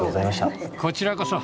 こちらこそ。